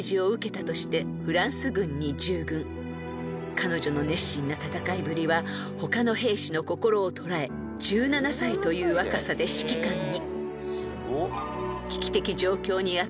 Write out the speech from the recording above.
［彼女の熱心な戦いぶりは他の兵士の心を捉え１７歳という若さで指揮官に］